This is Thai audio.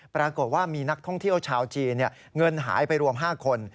ปรากฏว่ามีนักท่องเที่ยวชาวจีนเงินหายไปรวม๕คน